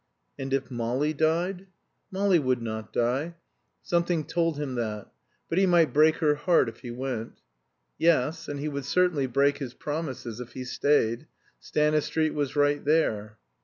And if Molly died? Molly would not die. Something told him that. But he might break her heart if he went. Yes; and he would certainly break his promises if he stayed. Stanistreet was right there.